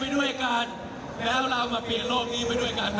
ให้กับทุกคนทุกเพศทุกวัยไปด้วยกันค่ะ